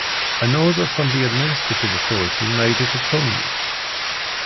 An Order from the administrative authority made it autonomous.